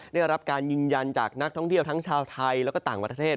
ได้รับการยืนยันจากนักท่องเที่ยวทั้งชาวไทยแล้วก็ต่างประเทศ